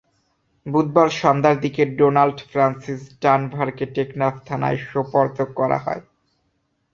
বুধবার সন্ধ্যার দিকে ডোনাল্ড ফ্রান্সিস ডানভারকে টেকনাফ থানায় সোপর্দ করা হয়।